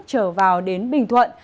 trở vào đến bình thuận